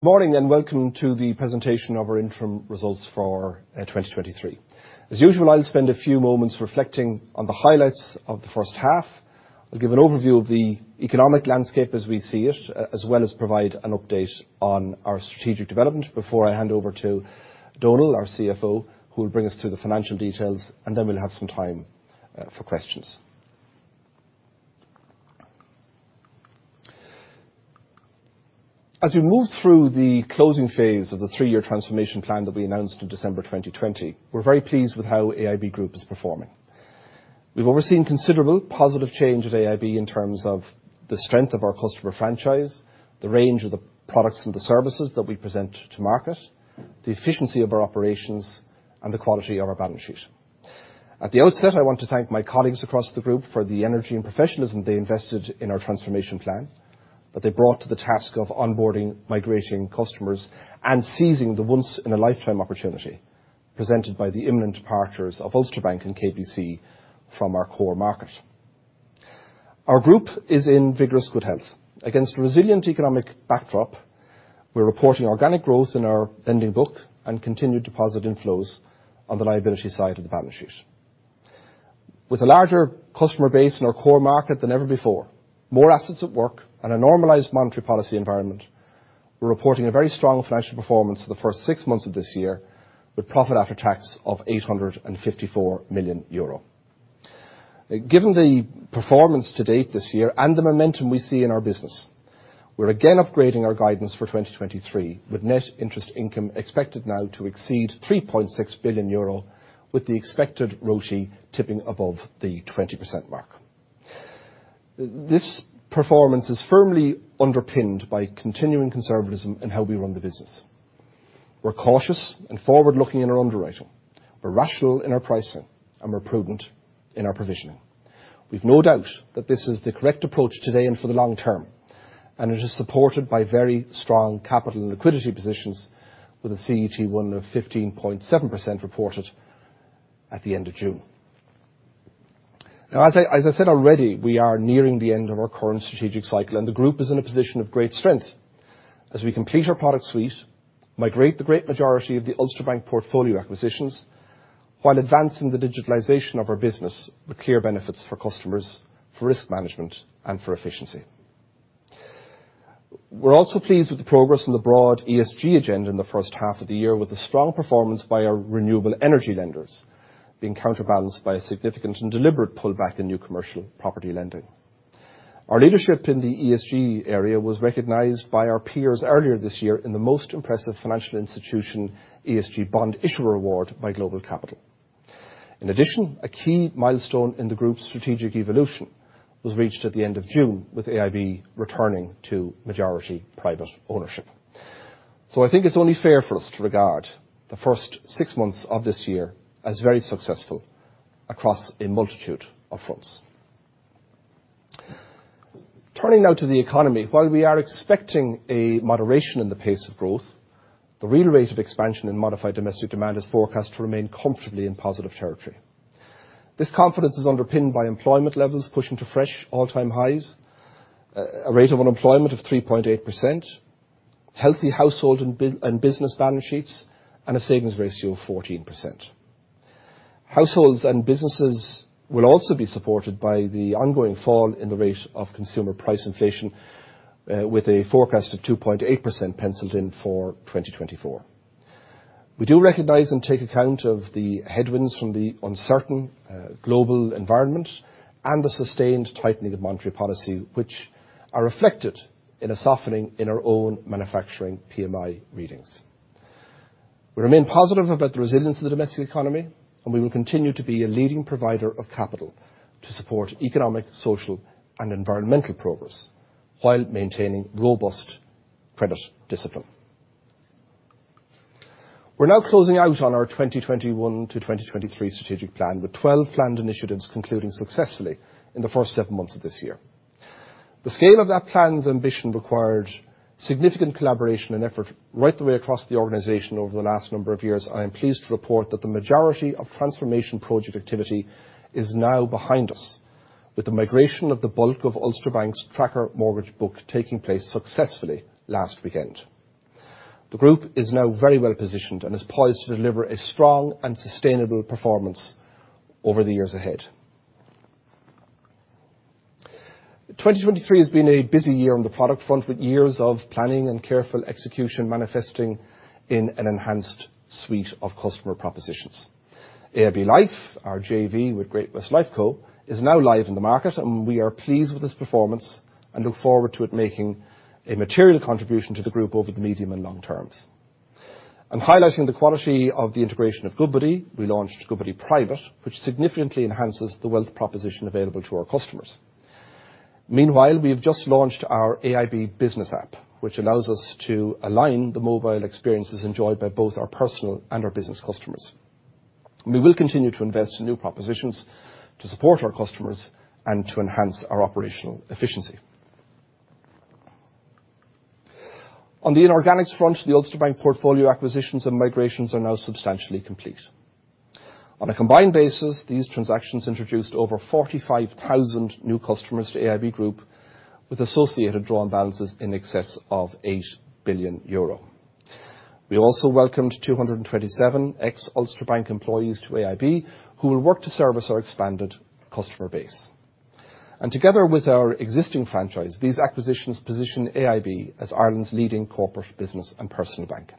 Morning, welcome to the presentation of our interim results for 2023. As usual, I'll spend a few moments reflecting on the highlights of the first half. I'll give an overview of the economic landscape as we see it, as well as provide an update on our strategic development before I hand over to Donal, our CFO, who will bring us through the financial details, then we'll have some time for questions. As we move through the closing phase of the three-year transformation plan that we announced in December 2020, we're very pleased with how AIB Group is performing. We've overseen considerable positive change at AIB in terms of the strength of our customer franchise, the range of the products and the services that we present to market, the efficiency of our operations, and the quality of our balance sheet. At the outset, I want to thank my colleagues across the group for the energy and professionalism they invested in our transformation plan, that they brought to the task of onboarding, migrating customers, and seizing the once-in-a-lifetime opportunity presented by the imminent departures of Ulster Bank and KBC from our core market. Our group is in vigorous good health. Against a resilient economic backdrop, we're reporting organic growth in our lending book and continued deposit inflows on the liability side of the balance sheet. With a larger customer base in our core market than ever before, more assets at work, and a normalized monetary policy environment, we're reporting a very strong financial performance for the first six months of this year, with profit after tax of 854 million euro. Given the performance to date this year and the momentum we see in our business, we're again upgrading our guidance for 2023, with net interest income expected now to exceed 3.6 billion euro, with the expected ROTE tipping above the 20% mark. This performance is firmly underpinned by continuing conservatism in how we run the business. We're cautious and forward-looking in our underwriting, we're rational in our pricing, and we're prudent in our provisioning. We've no doubt that this is the correct approach today and for the long term, and it is supported by very strong capital and liquidity positions, with a CET1 of 15.7% reported at the end of June. As I said already, we are nearing the end of our current strategic cycle, and the group is in a position of great strength. We complete our product suite, migrate the great majority of the Ulster Bank portfolio acquisitions, while advancing the digitalization of our business with clear benefits for customers, for risk management, and for efficiency. We're also pleased with the progress on the broad ESG agenda in the first half of the year, with a strong performance by our renewable energy lenders being counterbalanced by a significant and deliberate pullback in new commercial property lending. Our leadership in the ESG area was recognised by our peers earlier this year in the Most Impressive Financial Institution ESG Bond Issuer award by GlobalCapital. In addition, a key milestone in the group's strategic evolution was reached at the end of June, with AIB returning to majority private ownership. I think it's only fair for us to regard the first six months of this year as very successful across a multitude of fronts. Turning now to the economy, while we are expecting a moderation in the pace of growth, the real rate of expansion in modified domestic demand is forecast to remain comfortably in positive territory. This confidence is underpinned by employment levels pushing to fresh all-time highs, a rate of unemployment of 3.8%, healthy household and business balance sheets, and a savings ratio of 14%. Households and businesses will also be supported by the ongoing fall in the rate of consumer price inflation, with a forecast of 2.8% penciled in for 2024. We do recognize and take account of the headwinds from the uncertain global environment and the sustained tightening of monetary policy, which are reflected in a softening in our own manufacturing PMI readings. We remain positive about the resilience of the domestic economy. We will continue to be a leading provider of capital to support economic, social, and environmental progress while maintaining robust credit discipline. We're now closing out on our 2021-2023 strategic plan, with 12 planned initiatives concluding successfully in the first seven months of this year. The scale of that plan's ambition required significant collaboration and effort right the way across the organization over the last number of years. I am pleased to report that the majority of transformation project activity is now behind us, with the migration of the bulk of Ulster Bank's tracker mortgage book taking place successfully last weekend. The group is now very well-positioned and is poised to deliver a strong and sustainable performance over the years ahead. 2023 has been a busy year on the product front, with years of planning and careful execution manifesting in an enhanced suite of customer propositions. AIB Life, our JV with Great-West Lifeco, is now live in the market, and we are pleased with its performance and look forward to it making a material contribution to the group over the medium and long terms. Highlighting the quality of the integration of Goodbody, we launched Goodbody Private, which significantly enhances the wealth proposition available to our customers. Meanwhile, we have just launched our AIB Business app, which allows us to align the mobile experiences enjoyed by both our personal and our business customers. We will continue to invest in new propositions to support our customers and to enhance our operational efficiency. The inorganics front, the Ulster Bank portfolio acquisitions and migrations are now substantially complete. A combined basis, these transactions introduced over 45,000 new customers to AIB Group, with associated drawn balances in excess of 8 billion euro. We also welcomed 227 ex-Ulster Bank employees to AIB, who will work to service our expanded customer base. Together with our existing franchise, these acquisitions position AIB as Ireland's leading corporate business and personal bank.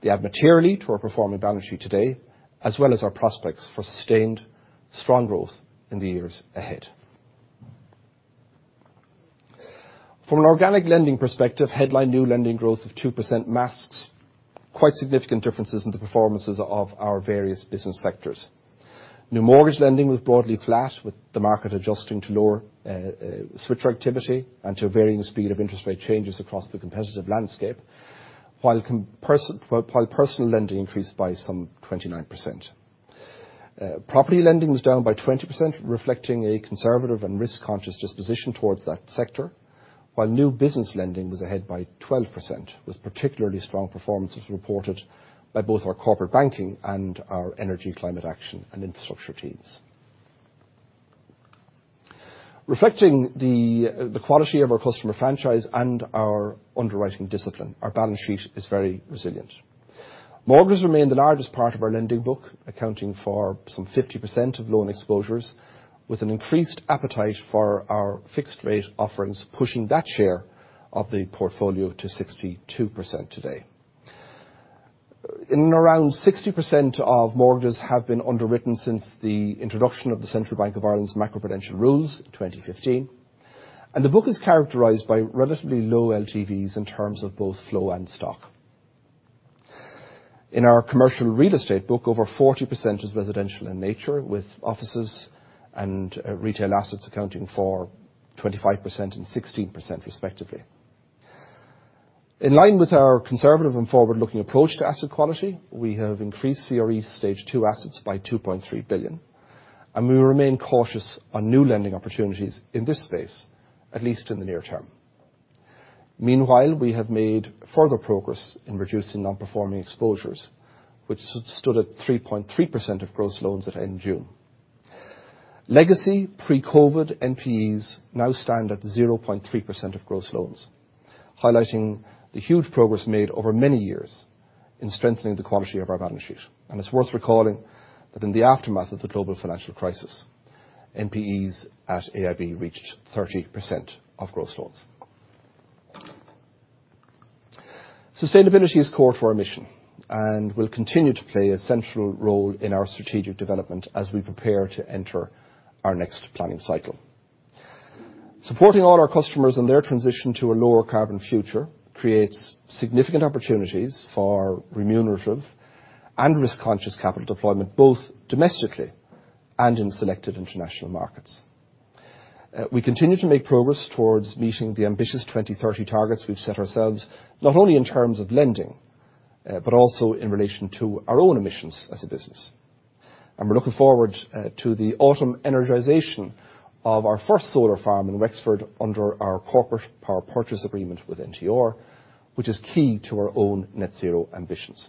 They add materially to our performing balance sheet today, as well as our prospects for sustained strong growth in the years ahead. From an organic lending perspective, headline new lending growth of 2% masks quite significant differences in the performances of our various business sectors. New mortgage lending was broadly flat, with the market adjusting to lower switcher activity and to a varying speed of interest rate changes across the competitive landscape, while personal lending increased by some 29%. Property lending was down by 20%, reflecting a conservative and risk-conscious disposition towards that sector, while new business lending was ahead by 12%, with particularly strong performances reported by both our corporate banking and our energy, climate action, and infrastructure teams. Reflecting the quality of our customer franchise and our underwriting discipline, our balance sheet is very resilient. Mortgages remain the largest part of our lending book, accounting for some 50% of loan exposures, with an increased appetite for our fixed-rate offerings, pushing that share of the portfolio to 62% today. Around 60% of mortgages have been underwritten since the introduction of the Central Bank of Ireland macroprudential rules in 2015, the book is characterized by relatively low LTVs in terms of both flow and stock. Our commercial real estate book, over 40% is residential in nature, with offices and retail assets accounting for 25% and 16% respectively. In line with our conservative and forward-looking approach to asset quality, we have increased CRE stage 2 assets by 2.3 billion, we remain cautious on new lending opportunities in this space, at least in the near term. Meanwhile, we have made further progress in reducing non-performing exposures, which stood at 3.3% of gross loans at end June. Legacy pre-COVID NPEs now stand at 0.3% of gross loans, highlighting the huge progress made over many years in strengthening the quality of our balance sheet. It's worth recalling that in the aftermath of the global financial crisis, NPEs at AIB reached 30% of gross loans. Sustainability is core to our mission and will continue to play a central role in our strategic development as we prepare to enter our next planning cycle. Supporting all our customers in their transition to a lower-carbon future creates significant opportunities for remunerative and risk-conscious capital deployment, both domestically and in selected international markets. We continue to make progress towards meeting the ambitious 2030 targets we've set ourselves, not only in terms of lending, but also in relation to our own emissions as a business. We're looking forward to the autumn energization of our first solar farm in Wexford under our corporate power purchase agreement with NTR, which is key to our own net zero ambitions.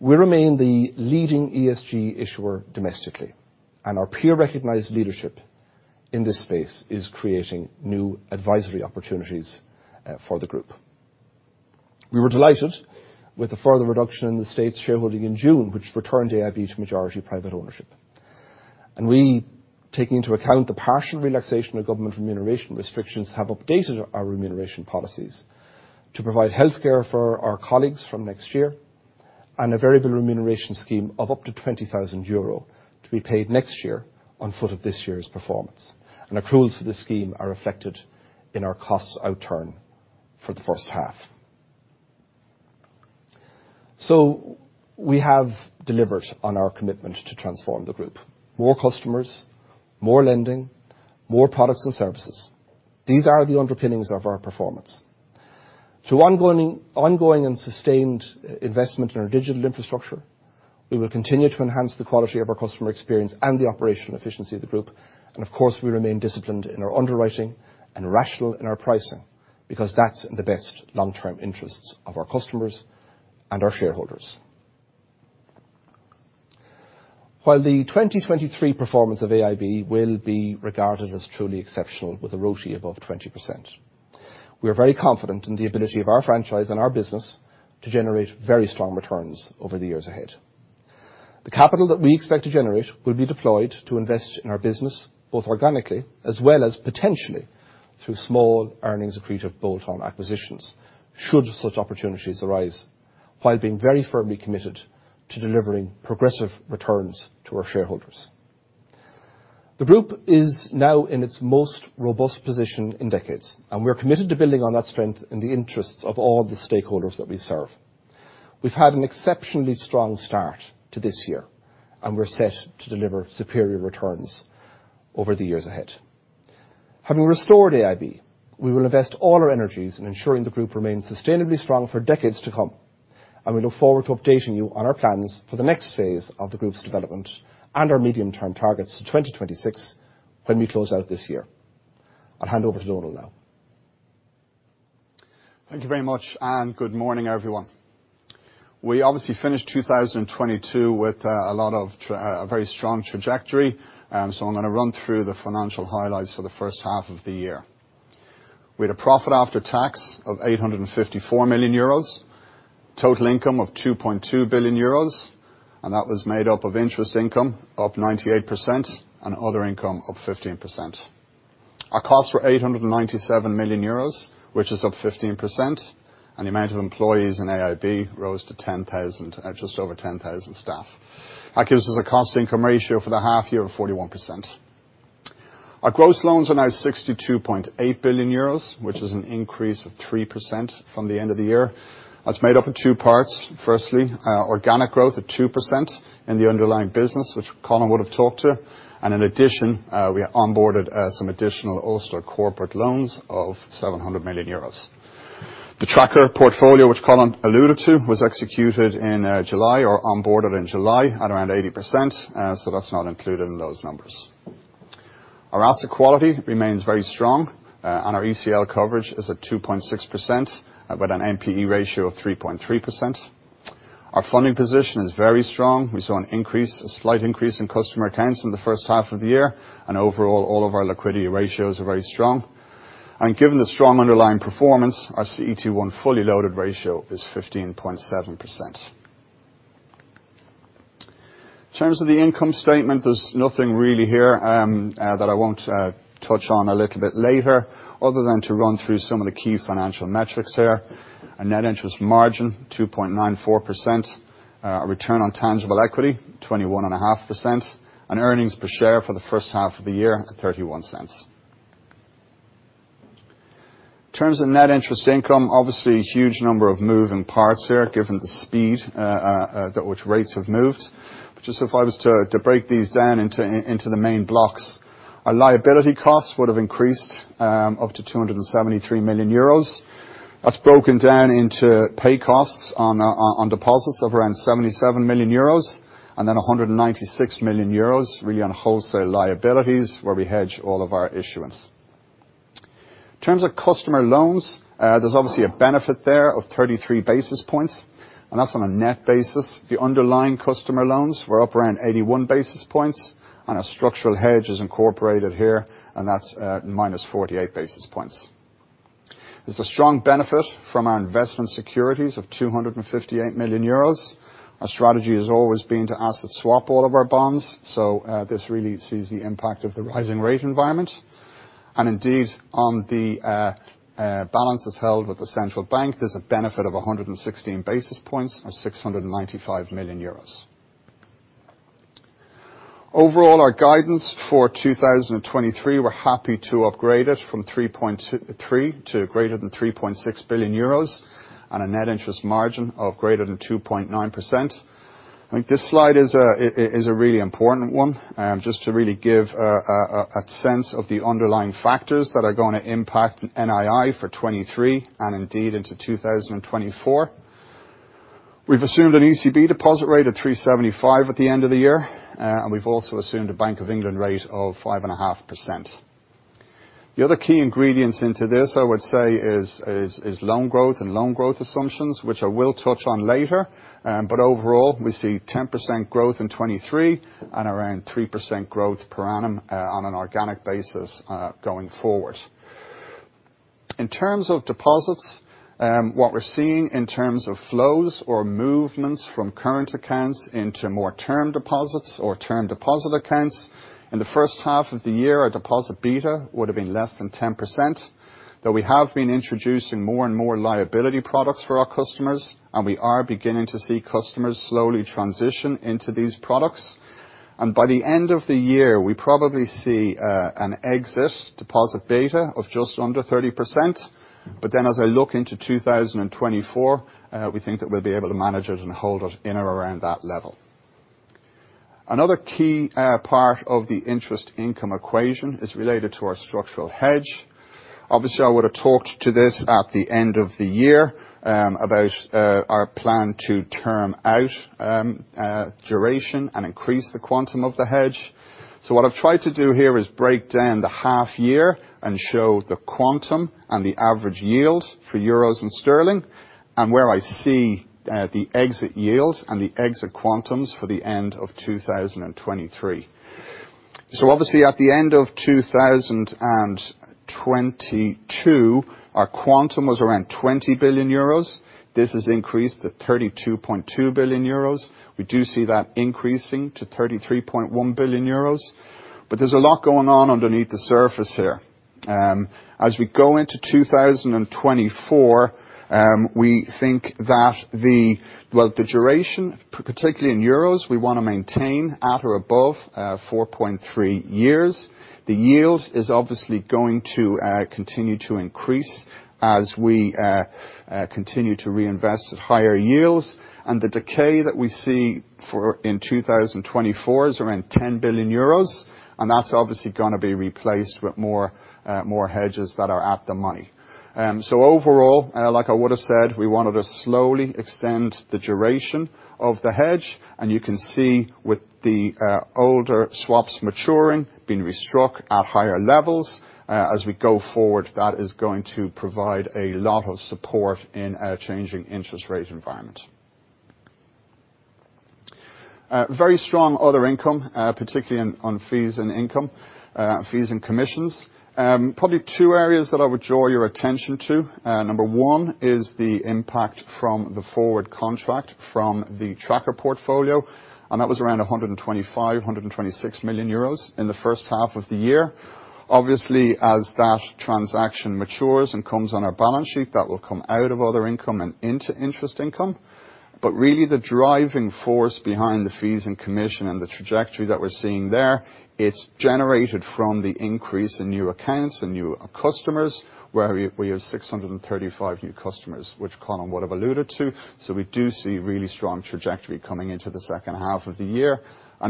We remain the leading ESG issuer domestically, and our peer-recognized leadership in this space is creating new advisory opportunities for the group. We were delighted with the further reduction in the state's shareholding in June, which returned AIB to majority private ownership. We, taking into account the partial relaxation of government remuneration restrictions, have updated our remuneration policies to provide healthcare for our colleagues from next year and a variable remuneration scheme of up to 20,000 euro to be paid next year on foot of this year's performance, and accruals for this scheme are reflected in our costs outturn for the first half. We have delivered on our commitment to transform the group. More customers, more lending, more products and services. These are the underpinnings of our performance. Through ongoing and sustained investment in our digital infrastructure, we will continue to enhance the quality of our customer experience and the operational efficiency of the group. Of course, we remain disciplined in our underwriting and rational in our pricing, because that's in the best long-term interests of our customers and our shareholders. While the 2023 performance of AIB will be regarded as truly exceptional, with a ROTE above 20%, we are very confident in the ability of our franchise and our business to generate very strong returns over the years ahead. The capital that we expect to generate will be deployed to invest in our business, both organically as well as potentially through small earnings accretive bolt-on acquisitions, should such opportunities arise, while being very firmly committed to delivering progressive returns to our shareholders. The group is now in its most robust position in decades, and we're committed to building on that strength in the interests of all the stakeholders that we serve. We've had an exceptionally strong start to this year, and we're set to deliver superior returns over the years ahead. Having restored AIB, we will invest all our energies in ensuring the group remains sustainably strong for decades to come, and we look forward to updating you on our plans for the next phase of the group's development and our medium-term targets to 2026, when we close out this year. I'll hand over to Donal now. Thank you very much, good morning, everyone. We obviously finished 2022 with a very strong trajectory, so I'm gonna run through the financial highlights for the first half of the year. We had a profit after tax of 854 million euros, total income of 2.2 billion euros, and that was made up of interest income, up 98%, and other income, up 15%. Our costs were 897 million euros, which is up 15%, and the amount of employees in AIB rose to 10,000, just over 10,000 staff. That gives us a cost-income ratio for the half year of 41%. Our gross loans are now 62.8 billion euros, which is an increase of 3% from the end of the year. That's made up of two parts. Firstly, organic growth of 2% in the underlying business, which Colin would have talked to, and in addition, we onboarded some additional Ulster corporate loans of 700 million euros. The tracker portfolio, which Colin alluded to, was executed in July or onboarded in July at around 80%, so that's not included in those numbers. Our asset quality remains very strong, and our ECL coverage is at 2.6%, with an NPE ratio of 3.3%. Our funding position is very strong. We saw an increase, a slight increase in customer accounts in the first half of the year, and overall, all of our liquidity ratios are very strong. Given the strong underlying performance, our CET1 fully loaded ratio is 15.7%. In terms of the income statement, there's nothing really here, that I won't touch on a little bit later, other than to run through some of the key financial metrics here. Our net interest margin, 2.94%. Return on tangible equity, 21.5%, and earnings per share for the first half of the year, at 0.31. In terms of net interest income, obviously a huge number of moving parts here, given the speed, that which rates have moved. Just if I was to, to break these down into the main blocks, our liability costs would have increased, up to 273 million euros. That's broken down into pay costs on deposits of around 77 million euros, and then 196 million euros really on wholesale liabilities, where we hedge all of our issuance. In terms of customer loans, there's obviously a benefit there of 33 basis points, and that's on a net basis. The underlying customer loans were up around 81 basis points, and a structural hedge is incorporated here, and that's at -48 basis points. There's a strong benefit from our investment securities of 258 million euros. Our strategy has always been to asset swap all of our bonds, so this really sees the impact of the rising rate environment. Indeed, on the balances held with the central bank, there's a benefit of 116 basis points, or 695 million euros. Overall, our guidance for 2023, we're happy to upgrade it from 3.3 billion to greater than 3.6 billion euros, and a net interest margin of greater than 2.9%. I think this slide is a really important one, just to really give a sense of the underlying factors that are gonna impact NII for 2023, and indeed into 2024. We've assumed an ECB deposit rate of 3.75% at the end of the year, and we've also assumed a Bank of England rate of 5.5%. The other key ingredients into this, I would say, is loan growth and loan growth assumptions, which I will touch on later. Overall, we see 10% growth in 2023 and around 3% growth per annum on an organic basis going forward. In terms of deposits, what we're seeing in terms of flows or movements from current accounts into more term deposits or term deposit accounts, in the first half of the year, our deposit beta would have been less than 10%, though we have been introducing more and more liability products for our customers, and we are beginning to see customers slowly transition into these products. By the end of the year, we probably see an exit deposit beta of just under 30%. Then as I look into 2024, we think that we'll be able to manage it and hold it in or around that level. Another key part of the interest income equation is related to our structural hedge. Obviously, I would have talked to this at the end of the year about our plan to term out duration and increase the quantum of the hedge. What I've tried to do here is break down the half year and show the quantum and the average yield for euros and sterling, and where I see the exit yields and the exit quantums for the end of 2023. Obviously, at the end of 2022, our quantum was around 20 billion euros. This has increased to 32.2 billion euros. We do see that increasing to 33.1 billion euros, but there's a lot going on underneath the surface here. As we go into 2024, we think that the duration, particularly in euros, we wanna maintain at or above 4.3 years. The yields is obviously going to continue to increase as we continue to reinvest at higher yields. The decay that we see for, in 2024 is around 10 billion euros, and that's obviously gonna be replaced with more hedges that are at the money. Overall, like I would have said, we wanted to slowly extend the duration of the hedge, and you can see with the older swaps maturing, being restruck at higher levels, as we go forward, that is going to provide a lot of support in a changing interest rate environment. Very strong other income, particularly in, on fees and income, fees and commissions. Probably two areas that I would draw your attention to. Number one is the impact from the forward contract from the tracker portfolio, and that was around 125 million-126 million euros in the first half of the year. Obviously, as that transaction matures and comes on our balance sheet, that will come out of other income and into interest income. Really the driving force behind the fees and commission and the trajectory that we're seeing there, it's generated from the increase in new accounts and new customers, where we, we have 635 new customers, which Colin would have alluded to. We do see really strong trajectory coming into the second half of the year.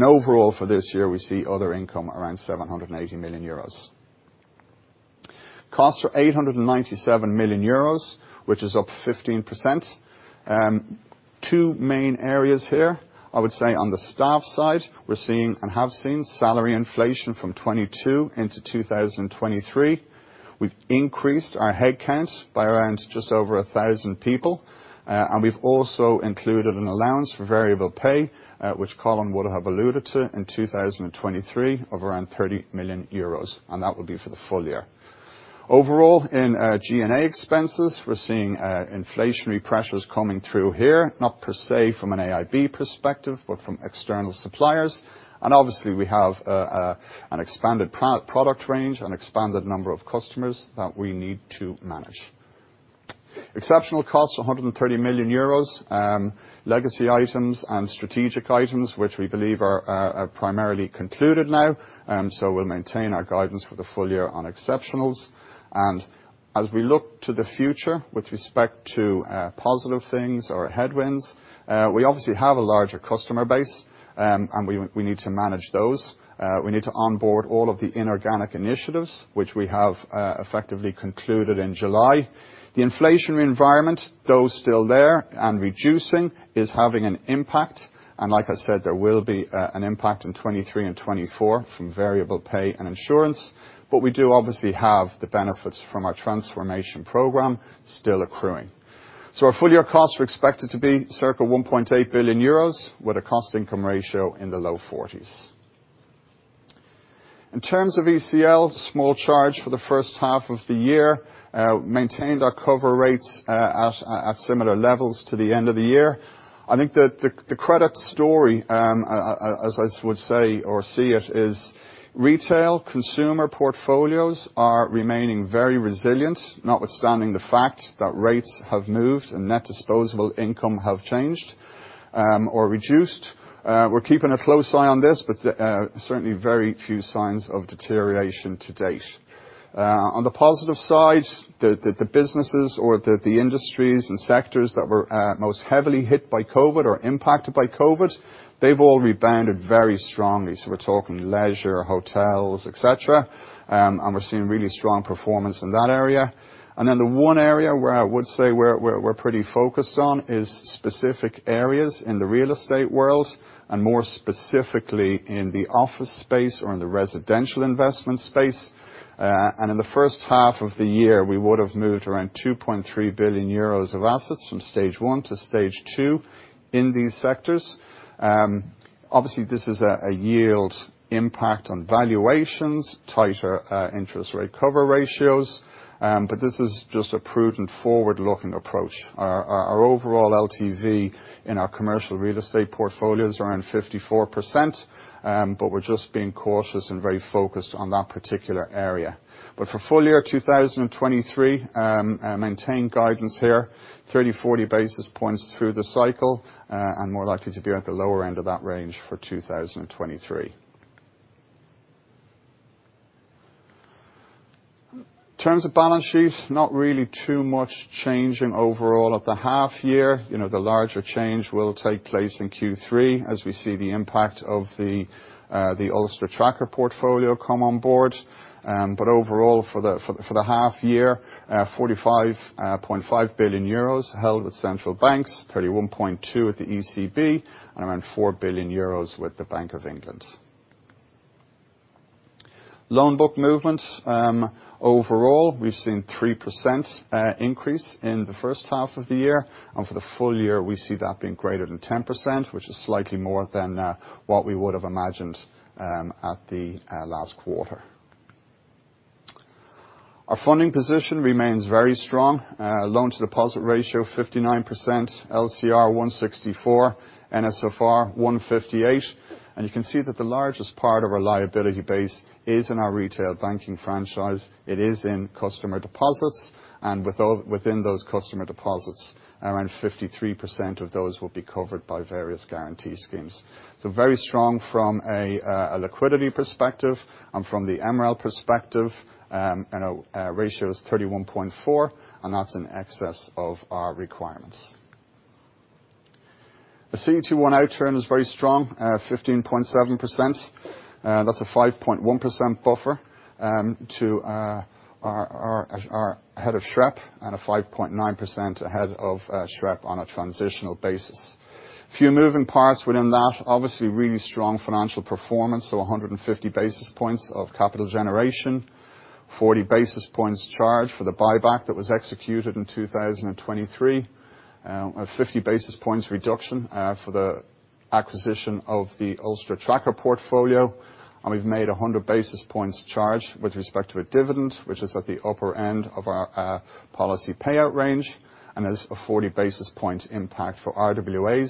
Overall, for this year, we see other income around 780 million euros. Costs are 897 million euros, which is up 15%. Two main areas here. I would say on the staff side, we're seeing, and have seen, salary inflation from 2022 into 2023. We've increased our headcount by around just over 1,000 people, and we've also included an allowance for variable pay, which Colin would have alluded to, in 2023, of around 30 million euros, and that will be for the full year. Overall, in G&A expenses, we're seeing inflationary pressures coming through here, not per se from an AIB perspective, but from external suppliers. Obviously, we have an expanded product range, an expanded number of customers that we need to manage. Exceptional costs, 130 million euros. Legacy items and strategic items, which we believe are, are primarily concluded now, so we'll maintain our guidance for the full year on exceptionals. As we look to the future, with respect to positive things or headwinds, we obviously have a larger customer base, and we, we need to manage those. We need to onboard all of the inorganic initiatives, which we have effectively concluded in July. The inflationary environment, though still there and reducing, is having an impact, and like I said, there will be an impact in 2023 and 2024 from variable pay and insurance, but we do obviously have the benefits from our transformation program still accruing. Our full year costs are expected to be circa 1.8 billion euros, with a cost income ratio in the low 40s. In terms of ECL, small charge for the first half of the year, maintained our cover rates at similar levels to the end of the year. I think that the credit story, as I would say or see it, is retail consumer portfolios are remaining very resilient, notwithstanding the fact that rates have moved and net disposable income have changed or reduced. We're keeping a close eye on this, but certainly very few signs of deterioration to date. On the positive side, the businesses or the industries and sectors that were most heavily hit by COVID or impacted by COVID, they've all rebounded very strongly. We're talking leisure, hotels, et cetera. We're seeing really strong performance in that area. The one area where I would say we're, we're, we're pretty focused on is specific areas in the real estate world, and more specifically in the office space or in the residential investment space. In the first half of the year, we would have moved around 2.3 billion euros of assets from stage one to stage two in these sectors. Obviously, this is a, a yield impact on valuations, tighter interest rate cover ratios. This is just a prudent forward-looking approach. Overall LTV in our commercial real estate portfolios are around 54%. We're just being cautious and very focused on that particular area. For full year 2023, maintain guidance here, 30-40 basis points through the cycle, and more likely to be at the lower end of that range for 2023. In terms of balance sheet, not really too much changing overall at the half year. You know, the larger change will take place in Q3, as we see the impact of the Ulster tracker portfolio come on board. Overall, for the half year, 45.5 billion euros held with central banks, 31.2 billion at the ECB, and around 4 billion euros with the Bank of England. Loan book movement. Overall, we've seen 3% increase in the first half of the year, and for the full year, we see that being greater than 10%, which is slightly more than what we would have imagined at the last quarter. Our funding position remains very strong. Loan to deposit ratio, 59%, LCR 164, NSFR 158. You can see that the largest part of our liability base is in our retail banking franchise. It is in customer deposits, and within those customer deposits, around 53% of those will be covered by various guarantee schemes. Very strong from a liquidity perspective and from the MREL perspective, and ratio is 31.4, and that's in excess of our requirements. The CET1 outturn is very strong, 15.7%. That's a 5.1% buffer to our head of SREP, and a 5.9% ahead of SREP on a transitional basis. Few moving parts within that, obviously, really strong financial performance, so 150 basis points of capital generation. 40 basis points charge for the buyback that was executed in 2023, a 50 basis points reduction for the acquisition of the Ulster Tracker portfolio. We've made a 100 basis points charge with respect to a dividend, which is at the upper end of our policy payout range, and there's a 40 basis point impact for RWAs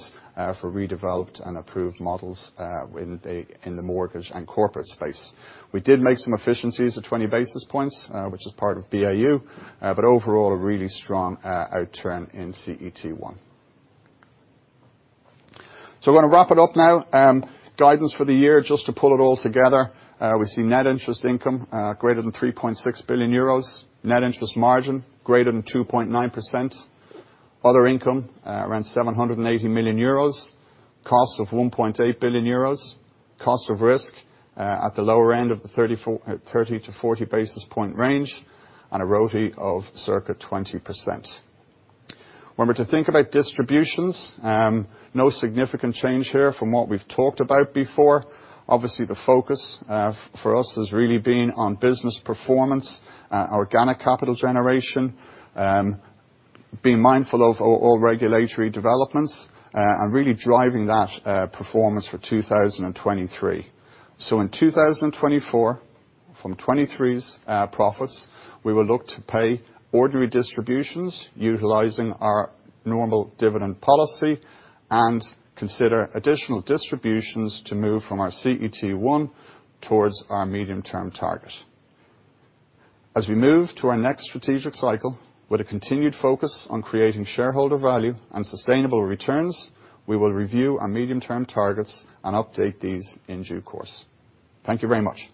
for redeveloped and approved models in the mortgage and corporate space. We did make some efficiencies of 20 basis points, which is part of BAU, but overall, a really strong outturn in CET1. I'm gonna wrap it up now. Guidance for the year, just to pull it all together. We see net interest income greater than 3.6 billion euros. Net interest margin, greater than 2.9%. Other income, around 780 million euros. Cost of 1.8 billion euros. Cost of risk at the lower end of the 30-40 basis point range, and a ROTE of circa 20%. When we're to think about distributions, no significant change here from what we've talked about before. Obviously, the focus for us has really been on business performance, organic capital generation, being mindful of all regulatory developments, and really driving that performance for 2023. In 2024, from 2023's profits, we will look to pay ordinary distributions utilizing our normal dividend policy and consider additional distributions to move from our CET1 towards our medium-term target. As we move to our next strategic cycle, with a continued focus on creating shareholder value and sustainable returns, we will review our medium-term targets and update these in due course. Thank you very much.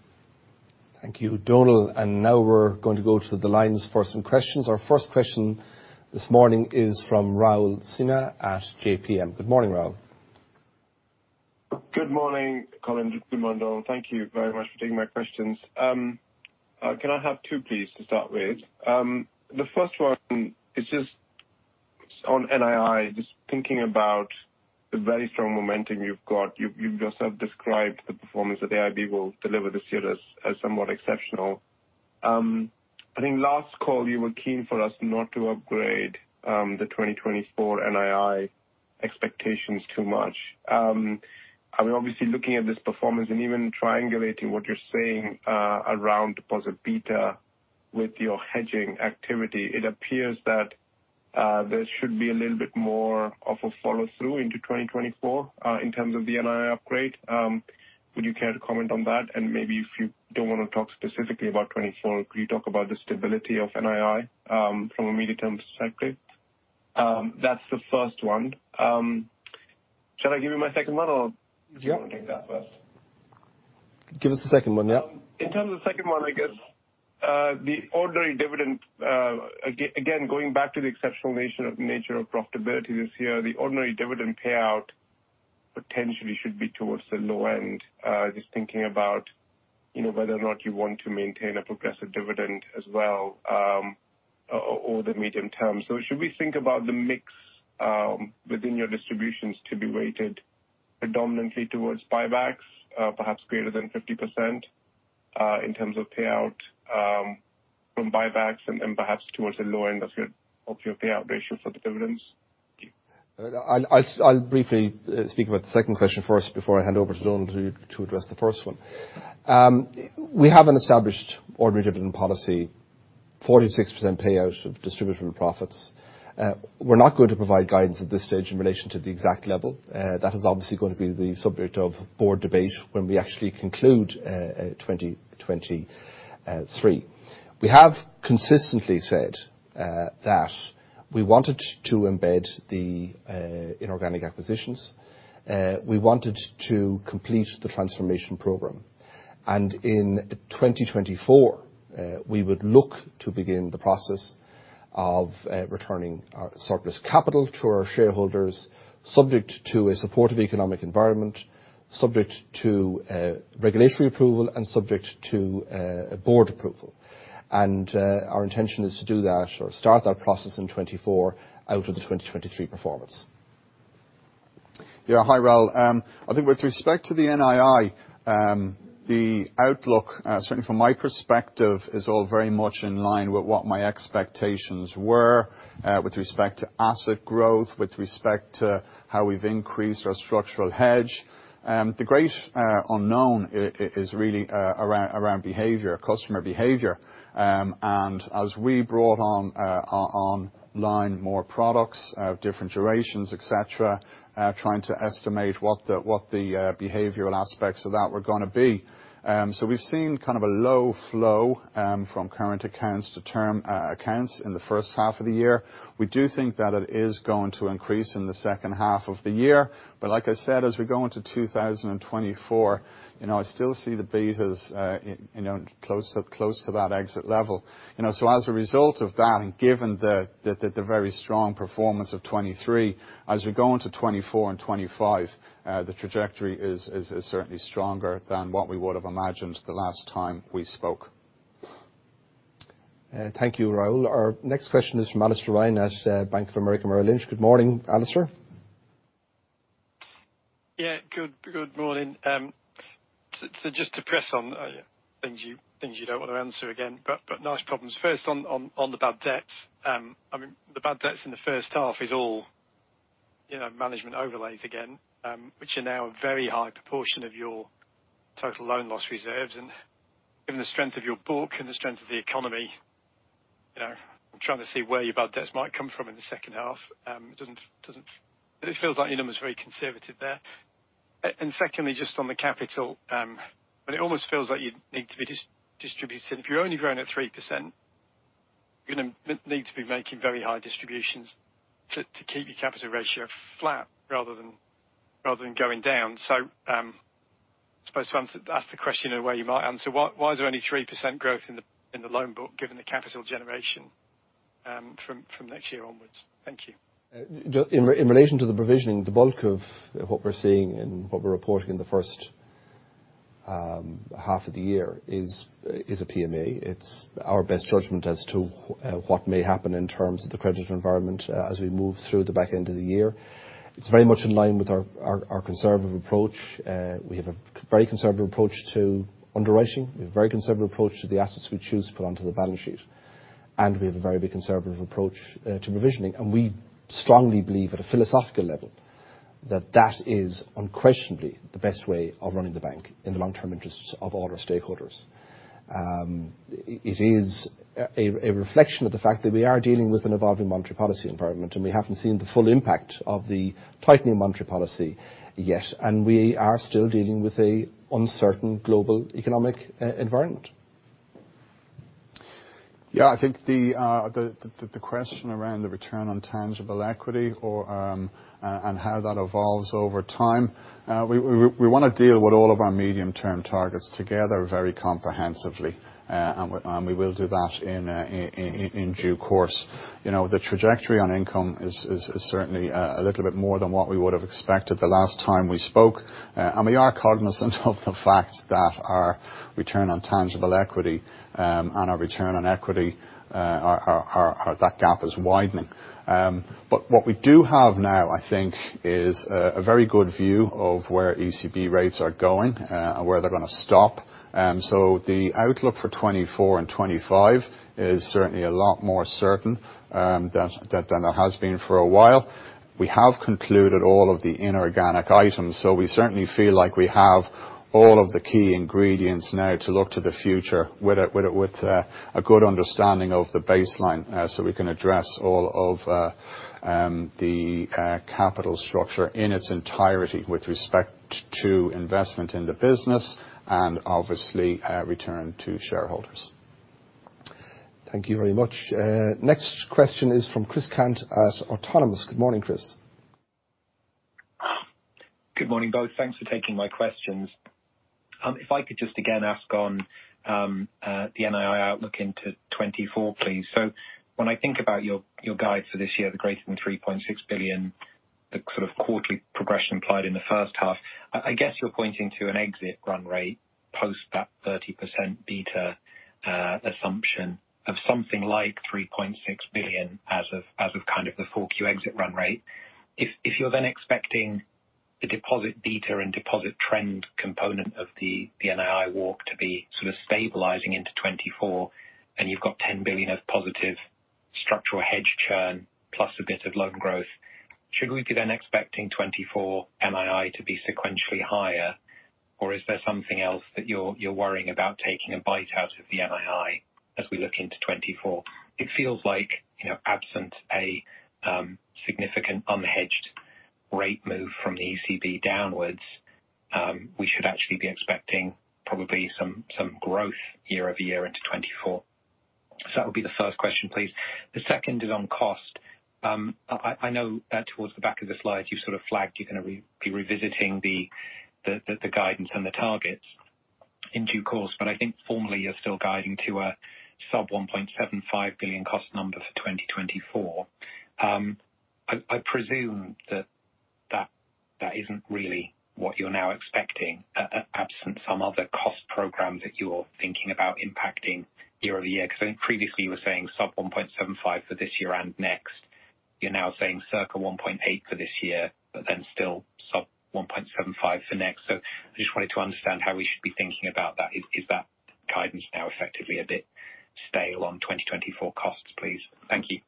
Thank you, Donal. Now we're going to go to the lines for some questions. Our first question this morning is from Raul Sinha at JPM. Good morning, Raul. Good morning, Colin, Donal. Thank you very much for taking my questions. Can I have two, please, to start with? The first one is just on NII, just thinking about the very strong momentum you've got. You've, you've just described the performance that AIB will deliver this year as, as somewhat exceptional. I think last call, you were keen for us not to upgrade the 2024 NII expectations too much. I mean, obviously looking at this performance and even triangulating what you're saying around deposit beta with your hedging activity, it appears that there should be a little bit more of a follow-through into 2024 in terms of the NII upgrade. Would you care to comment on that? Maybe if you don't wanna talk specifically about 2024, could you talk about the stability of NII from a medium-term perspective? That's the first one. Shall I give you my second one, or? Yeah. Do you want to take that first? Give us the second one, yeah. In terms of the second one, I guess, the ordinary dividend, again, going back to the exceptional nature, nature of profitability this year, the ordinary dividend payout potentially should be towards the low end. Just thinking about, you know, whether or not you want to maintain a progressive dividend as well, over the medium term. Should we think about the mix within your distributions to be weighted predominantly towards buybacks, perhaps greater than 50%, in terms of payout from buybacks and perhaps towards the low end of your, of your payout ratio for the dividends? I'll briefly speak about the second question first before I hand over to Donal to address the first one. We have an established ordinary dividend policy, 46% payout of distributable profits. We're not going to provide guidance at this stage in relation to the exact level. That is obviously going to be the subject of board debate when we actually conclude 2023. We have consistently said that we wanted to embed the inorganic acquisitions, we wanted to complete the transformation program. In 2024, we would look to begin the process of returning our surplus capital to our shareholders, subject to a supportive economic environment, subject to regulatory approval and subject to board approval. Our intention is to do that or start that process in 2024 out of the 2023 performance. Yeah. Hi, Raul. I think with respect to the NII, the outlook, certainly from my perspective, is all very much in line with what my expectations were, with respect to asset growth, with respect to how we've increased our structural hedge. The great unknown is really around behavior, customer behavior. As we brought on online, more products of different durations, et cetera, trying to estimate what the behavioral aspects of that were gonna be. We've seen kind of a low flow from current accounts to term accounts in the first half of the year. We do think that it is going to increase in the second half of the year, but like I said, as we go into 2024, you know, I still see the betas, you know, close to, close to that exit level. You know, as a result of that, and given the, the, the very strong performance of 23, as we go into 24 and 25, the trajectory is, is, is certainly stronger than what we would have imagined the last time we spoke. Thank you, Raul. Our next question is from Alastair Ryan at Bank of America Merrill Lynch. Good morning, Alastair. Good, good morning. Just to press on, things you, things you don't want to answer again, but nice problems. First on the bad debts. I mean, the bad debts in the first half is all, you know, management overlays again, which are now a very high proportion of your total loan loss reserves. Given the strength of your book and the strength of the economy, you know, I'm trying to see where your bad debts might come from in the second half. It doesn't, doesn't. It feels like your number is very conservative there. Secondly, just on the capital. It almost feels like you need to be dis-distributing. If you're only growing at 3%, you're gonna need to be making very high distributions to, to keep your capital ratio flat rather than, rather than going down. I suppose to ask the question in a way you might answer, why, why is there only 3% growth in the, in the loan book, given the capital generation from, from next year onwards? Thank you. In relation to the provisioning, the bulk of what we're seeing and what we're reporting in the first half of the year is, is a PMA. It's our best judgment as to what may happen in terms of the credit environment as we move through the back end of the year. It's very much in line with our, our, our conservative approach. We have a very conservative approach to underwriting. We have a very conservative approach to the assets we choose to put onto the balance sheet, and we have a very big conservative approach to provisioning. We strongly believe, at a philosophical level, that that is unquestionably the best way of running the bank in the long-term interests of all our stakeholders. It is a reflection of the fact that we are dealing with an evolving monetary policy environment, and we haven't seen the full impact of the tightening monetary policy yet, and we are still dealing with a uncertain global economic environment. Yeah, I think the question around the return on tangible equity or how that evolves over time, we wanna deal with all of our medium-term targets together very comprehensively, we will do that in due course. You know, the trajectory on income is certainly a little bit more than what we would have expected the last time we spoke. We are cognizant of the fact that our return on tangible equity and our return on equity. That gap is widening. What we do have now, I think, is a very good view of where ECB rates are going and where they're gonna stop. The outlook for 2024 and 2025 is certainly a lot more certain than, than it has been for a while. We have concluded all of the inorganic items, so we certainly feel like we have all of the key ingredients now to look to the future with a, with a, with a, a good understanding of the baseline, so we can address all of the capital structure in its entirety, with respect to investment in the business and obviously, a return to shareholders. Thank you very much. Next question is from Chris Cant at Autonomous. Good morning, Chris. Good morning, both. Thanks for taking my questions. If I could just again ask on the NII outlook into 2024, please. When I think about your, your guide for this year, the greater than 3.6 billion, the sort of quarterly progression applied in the first half, I, I guess you're pointing to an exit run rate post that 30% beta assumption of something like 3.6 billion as of kind of the Q4 exit run rate. If you're then expecting the deposit beta and deposit trend component of the NII walk to be sort of stabilizing into 2024, and you've got 10 billion of positive structural hedge churn plus a bit of loan growth, should we be then expecting 2024 NII to be sequentially higher? Is there something else that you're worrying about taking a bite out of the NII as we look into 2024? It feels like, you know, absent a significant unhedged rate move from the ECB downwards, we should actually be expecting probably some growth year-over-year into 2024. That would be the first question, please. The second is on cost. I know, towards the back of the slide, you sort of flagged you're gonna be revisiting the guidance and the targets in due course, but I think formally, you're still guiding to a sub 1.75 billion cost number for 2024. I presume that isn't really what you're now expecting, absent some other cost programs that you're thinking about impacting year-over-year. I think previously, you were saying sub 1.75 for this year and next. You're now saying circa 1.8 for this year, then still sub 1.75 for next. I just wanted to understand how we should be thinking about that. Is that guidance now effectively a bit stale on 2024 costs, please? Thank you.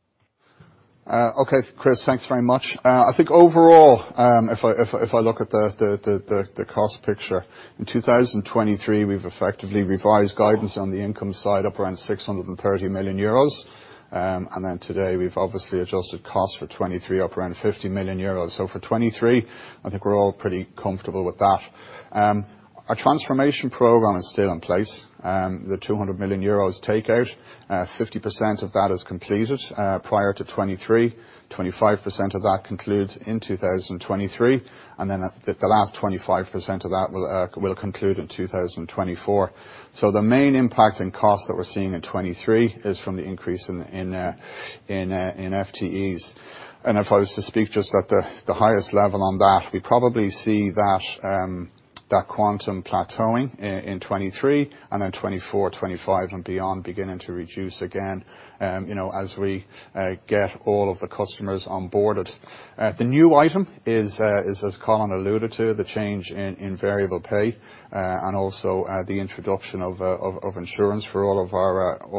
Okay, Chris, thanks very much. I think overall, if I, if I, if I look at the, the, the, the cost picture, in 2023, we've effectively revised guidance on the income side, up around 630 million euros. Then today, we've obviously adjusted costs for 2023, up around 50 million euros. For 2023, I think we're all pretty comfortable with that. Our transformation program is still in place. The 200 million euros takeout, 50% of that is completed, prior to 2023. 25% of that concludes in 2023, and then the last 25% of that will conclude in 2024. The main impact in costs that we're seeing in 2023 is from the increase in, in, in, in FTEs. If I was to speak just at the highest level on that, we probably see that quantum plateauing in 2023, and then 2024, 2025 and beyond, beginning to reduce again, you know, as we get all of the customers onboarded. The new item is, as Colin alluded to, the change in variable pay, and also the introduction of insurance for all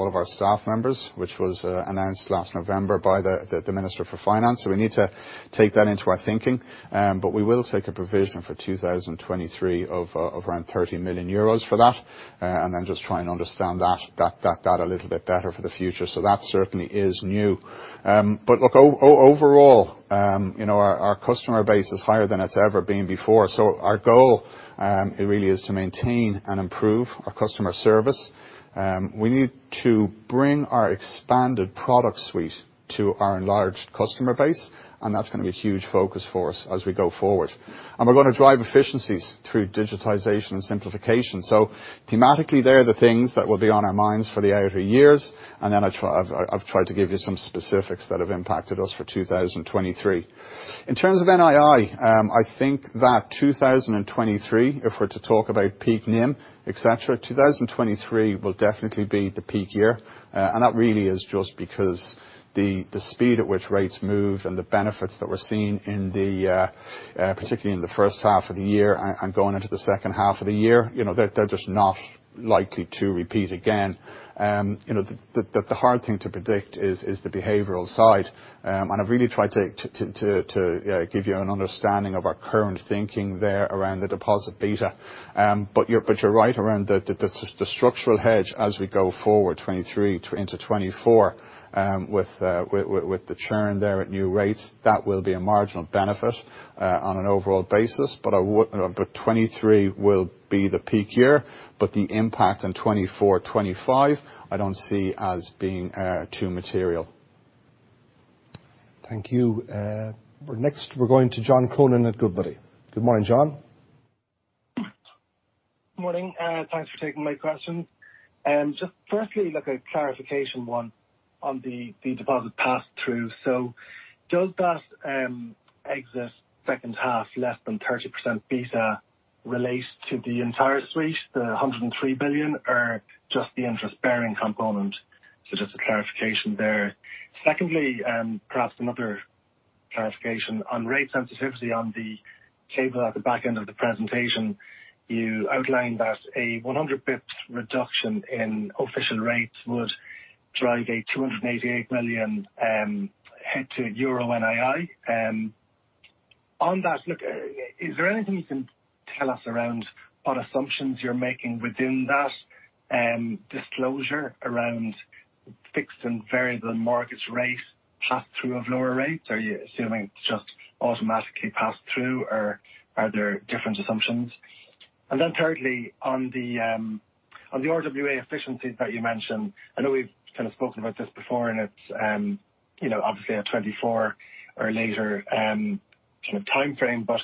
of our staff members, which was announced last November by the Minister for Finance. We need to take that into our thinking, but we will take a provision for 2023 of around 30 million euros for that, and then just try and understand that a little bit better for the future. That certainly is new. Look, overall, you know, our, our customer base is higher than it's ever been before. Our goal, it really is to maintain and improve our customer service. We need to bring our expanded product suite to our enlarged customer base, and that's gonna be a huge focus for us as we go forward. We're gonna drive efficiencies through digitization and simplification. Thematically, they are the things that will be on our minds for the outer years, and then I've tried to give you some specifics that have impacted us for 2023. In terms of NII, I think that 2023, if we're to talk about peak NIM, et cetera, 2023 will definitely be the peak year. That really is just because the, the speed at which rates move and the benefits that we're seeing in the, particularly in the first half of the year and, and going into the second half of the year, you know, they're, they're just not likely to repeat again. You know, the, the, the hard thing to predict is, is the behavioral side. I've really tried to, to, to, to give you an understanding of our current thinking there around the deposit beta. You're right around the, the, the structural hedge as we go forward, 2023 into 2024, with, with, with, with the churn there at new rates, that will be a marginal benefit on an overall basis, but I would... 2023 will be the peak year, but the impact on 2024, 2025, I don't see as being too material. Thank you. We're next, we're going to John Cronin at Goodbody. Good morning, John. Good morning, thanks for taking my questions. Just firstly, like a clarification one on the deposit pass-through. Does that exit second half, less than 30% beta relateS to the entire suite, the 103 billion, or just the interest-bearing component? Just a clarification there. Secondly, perhaps another clarification. On rate sensitivity on the table at the back end of the presentation, you outlined that a 100 basis points reduction in official rates would drive a 288 million head to Euro NII. On that look, is there anything you can tell us around what assumptions you're making within that disclosure around fixed and variable mortgage rate, pass-through of lower rates? Are you assuming it's just automatically pass-through, or are there different assumptions? Thirdly, on the RWA efficiencies that you mentioned, I know we've kind of spoken about this before, and it's, you know, obviously at 2024 or later, sort of timeframe, but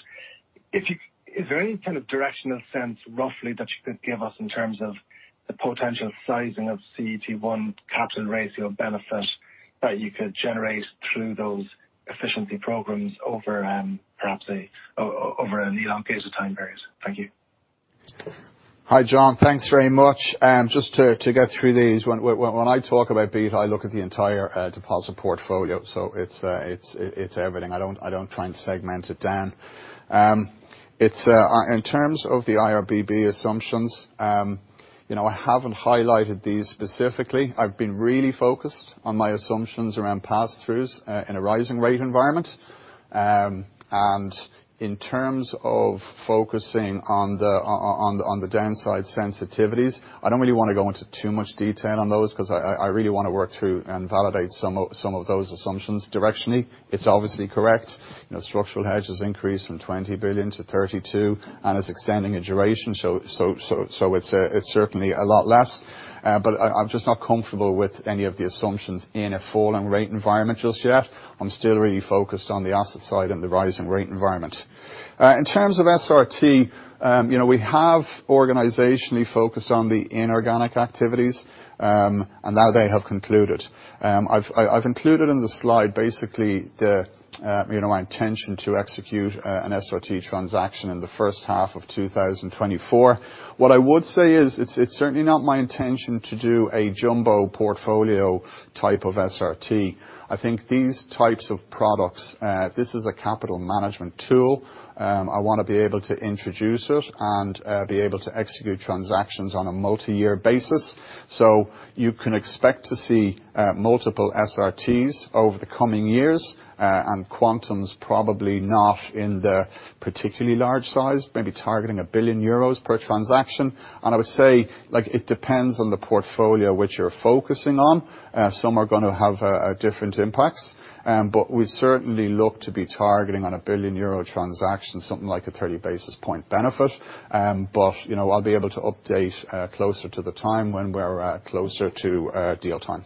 if you-- is there any kind of directional sense, roughly, that you could give us in terms of the potential sizing of CET1 capital ratio benefit that you could generate through those efficiency programs over, perhaps a, over an elongated time period? Thank you. Hi, John. Thanks very much. Just to go through these, when I talk about beta, I look at the entire deposit portfolio, so it's everything. I don't try and segment it down. In terms of the IRBB assumptions, you know, I haven't highlighted these specifically. I've been really focused on my assumptions around pass-throughs in a rising rate environment. In terms of focusing on the downside sensitivities, I don't really want to go into too much detail on those, 'cause I really wanna work through and validate some of, some of those assumptions directionally. It's obviously correct. You know, structural hedge has increased from 20 billion to 32 billion and is extending in duration. It's certainly a lot less, but I'm just not comfortable with any of the assumptions in a falling rate environment just yet. I'm still really focused on the asset side and the rising rate environment. In terms of SRT, you know, we have organizationally focused on the inorganic activities, and now they have concluded. I've included in the slide, basically, you know, my intention to execute an SRT transaction in the first half of 2024. What I would say is, it's certainly not my intention to do a jumbo portfolio type of SRT. I think these types of products, this is a capital management tool. I wanna be able to introduce it and be able to execute transactions on a multi-year basis. You can expect to see multiple SRTs over the coming years, and quantums probably not in the particularly large size, maybe targeting 1 billion euros per transaction. I would say, like, it depends on the portfolio which you're focusing on. Some are gonna have a different impacts, but we certainly look to be targeting on a 1 billion euro transaction, something like a 30 basis point benefit. You know, I'll be able to update closer to the time, when we're closer to deal time.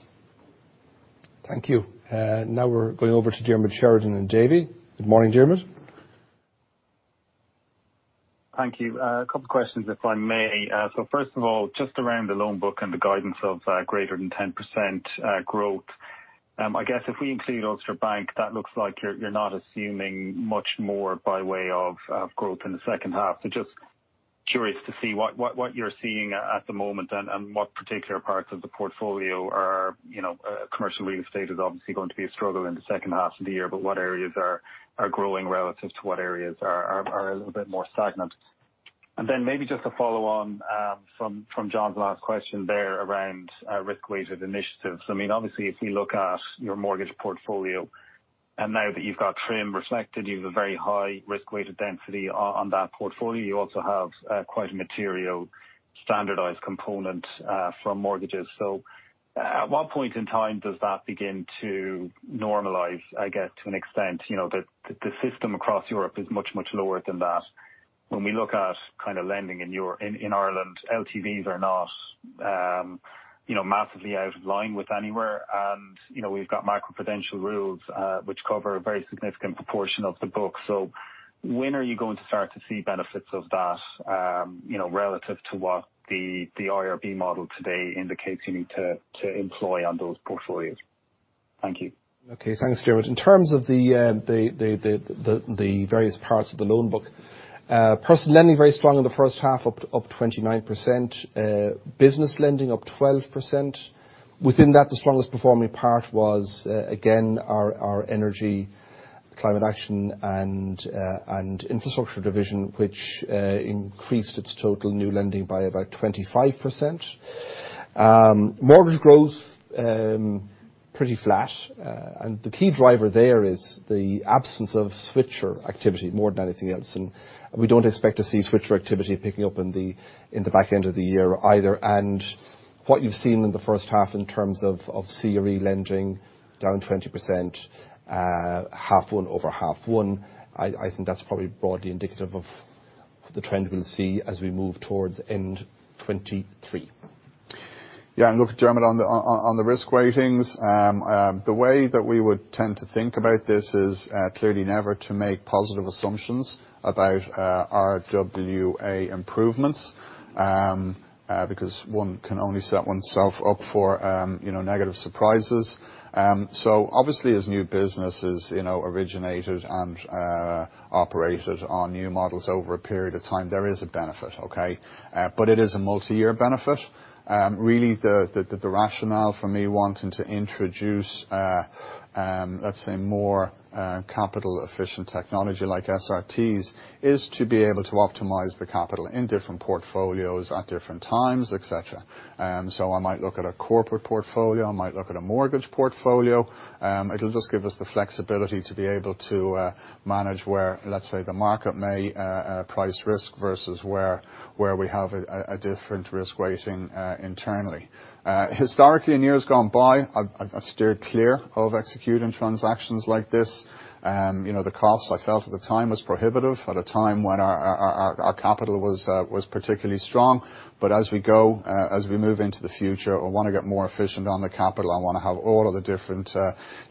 Thank you. Now we're going over to Diarmaid Sheridan in Davy. Good morning, Diarmaid? Thank you. A couple questions, if I may. First of all, just around the loan book and the guidance of, greater than 10% growth. I guess if we include Ulster Bank, that looks like you're, you're not assuming much more by way of, of growth in the second half. Just curious to see what, what, what you're seeing at, at the moment, and, and what particular parts of the portfolio are, you know, commercial real estate is obviously going to be a struggle in the second half of the year. What areas are, are growing relative to what areas are, are, are a little bit more stagnant? Maybe just to follow on, from, from John's last question there around, risk-weighted initiatives. I mean, obviously, if we look at your mortgage portfolio, now that you've got TRIM reflected, you've a very high risk-weighted density on that portfolio. You also have quite a material standardized component from mortgages. At what point in time does that begin to normalize, I guess, to an extent? You know, the system across Europe is much, much lower than that. When we look at kind of lending in Ireland, LTVs are not, you know, massively out of line with anywhere. You know, we've got macroprudential rules which cover a very significant proportion of the book. When are you going to start to see benefits of that, you know, relative to what the IRB model today indicates you need to employ on those portfolios? Thank you. Okay, thanks, Diarmaid. In terms of the various parts of the loan book, personal lending very strong in the first half, up, up 29%. Business lending up 12%. Within that, the strongest performing part was again, our energy, climate action, and infrastructure division, which increased its total new lending by about 2,025%. Mortgage growth pretty flat. The key driver there is the absence of switcher activity more than anything else, and we don't expect to see switcher activity picking up in the back end of the year either. What you've seen in the first half in terms of CRE lending, down 20%, half 1 over half 1. I, I think that's probably broadly indicative of the trend we'll see as we move towards end 2023. Look, Diarmaid, on the, on, on the risk weightings, the way that we would tend to think about this is clearly never to make positive assumptions about RWA improvements, because one can only set oneself up for, you know, negative surprises. Obviously, as new business is, you know, originated and operated on new models over a period of time, there is a benefit, okay? It is a multi-year benefit. Really, the, the, the rationale for me wanting to introduce, let's say, more capital-efficient technology like SRTs, is to be able to optimize the capital in different portfolios at different times, et cetera. I might look at a corporate portfolio, I might look at a mortgage portfolio. It'll just give us the flexibility to be able to manage where, let's say, the market may price risk versus where, where we have a different risk weighting internally. Historically, in years gone by, I've, I've, I've steered clear of executing transactions like this. You know, the cost, I felt at the time, was prohibitive at a time when our, our, our, our capital was particularly strong. As we go, as we move into the future, I want to get more efficient on the capital. I want to have all of the different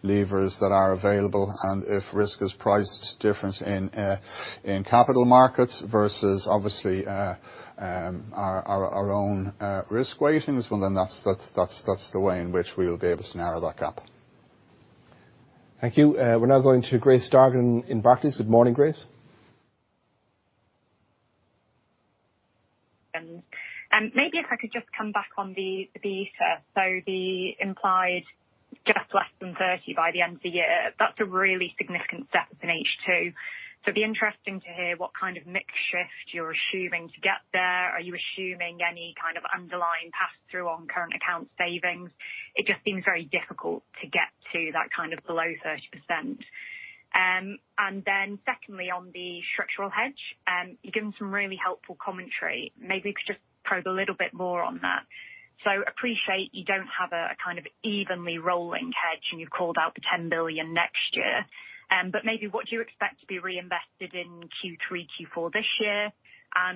levers that are available, and if risk is priced different in capital markets versus obviously our, our, our own risk weightings, well, then, that's, that's, that's, that's the way in which we will be able to narrow that gap. Thank you. We're now going to Grace Dargan in Barclays. Good morning, Grace. Maybe if I could just come back on the beta the implied, just less than 30 by the end of the year, that's a really significant step up in H2. It'd be interesting to hear what kind of mix shift you're assuming to get there. Are you assuming any kind of underlying pass-through on current account savings? It just seems very difficult to get to that kind of below 30%. Then secondly, on the structural hedge, you've given some really helpful commentary. Maybe you could just probe a little bit more on that. I appreciate you don't have a, a kind of evenly rolling hedge, and you've called out the 10 billion next year. Maybe what do you expect to be reinvested in Q3, Q4 this year?